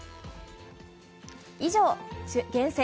以上、厳選！